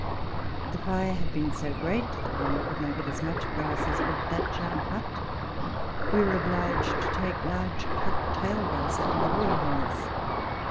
The fire had been so great that one could not get as much grass :U Letters from Victorian Pioneers. as would thatch our hut; we were obliged to take large cut tail grass out of the waterholes.